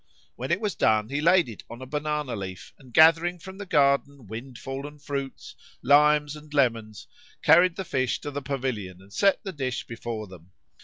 When it was done, he laid it on a banana leaf, and gathering from the garden wind fallen fruits, limes and lemons, carried the fish to the pavilion and set the dish before them.